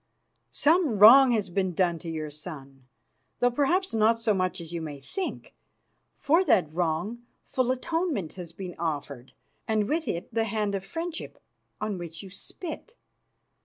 Some wrong has been done to your son, though perhaps not so much as you may think. For that wrong full atonement has been offered, and with it the hand of friendship on which you spit.